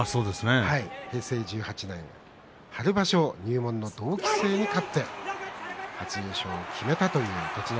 平成１８年春場所同期生の松鳳山に勝って優勝決めたという栃ノ